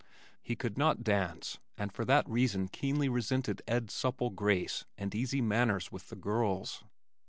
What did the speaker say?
He could not dance, and for that reason keenly resented Ed's supple grace and easy manners with the girls.